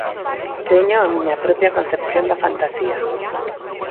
Teño a miña propia concepción da fantasía.